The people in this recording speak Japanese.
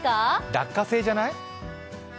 落花生じゃない？